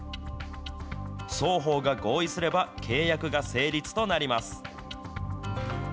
双方が合意すれば、契約が成立となります。